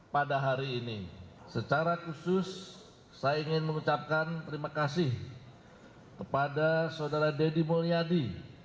pada hari ini secara khusus saya ingin mengucapkan terima kasih kepada saudara deddy mulyadi